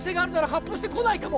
発砲してこないかも